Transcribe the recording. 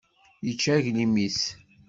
Yečča aglim-is.